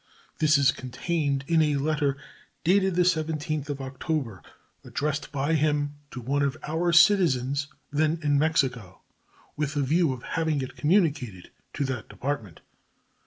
This is contained in a letter, dated the 17th of October, addressed by him to one of our citizens then in Mexico with a view of having it communicated to that Department.